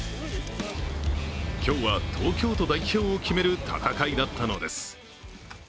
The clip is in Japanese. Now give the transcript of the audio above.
今日は東京都代表を決める戦いだったのです。